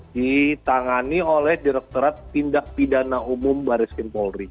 ditangani oleh direkturat tindak pidana umum baris krim polri